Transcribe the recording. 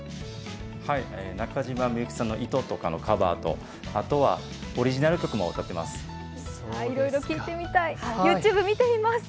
中島みゆきさんの「糸」とかのカバーとあとはオリジナル曲も歌ってます。